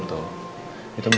itu mau ketemu